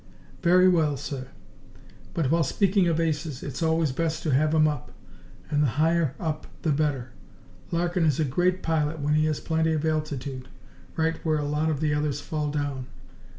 "Very well, sir, but while speaking of aces, it's always best to have 'em up. And the higher up the better. Larkin is a great pilot when he has plenty of altitude right where a lot of the others fall down.